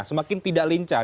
semakin tidak lincah